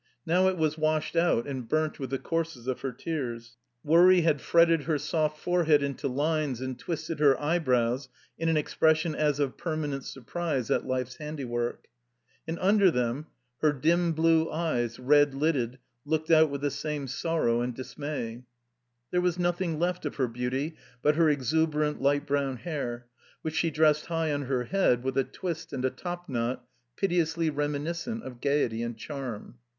Now it was washed out and burnt with the courses of her tears. Worry had fretted her soft forehead into lines and twisted her eyebrows in an expression as of permanent surprise at life's handiwork. And under them her dim blue eyes, red lidded, looked out with the same sorrow and dismay. There was 35 THE COMBINED MAZE nothing left of her beauty but her exuberant light brown hair, which she dressed high on her head with a twist and a topknot piteously reminiscent of gaiety and charm.